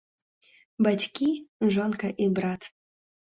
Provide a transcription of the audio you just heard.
Бацькі, жонка і брат.